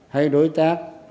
hay đối tác